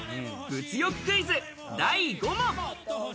物欲クイズ第５問！